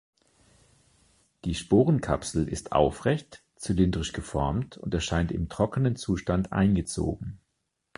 Die Sporenkapsel ist aufrecht, zylindrisch geformt und erscheint im trockenen Zustand eingezogen.